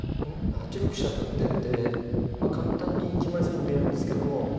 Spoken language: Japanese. ８六飛車と出て簡単に決まりそうに見えるんですけども。